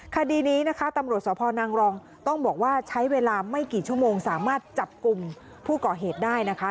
คดีนี้นะคะตำรวจสพนางรองต้องบอกว่าใช้เวลาไม่กี่ชั่วโมงสามารถจับกลุ่มผู้ก่อเหตุได้นะคะ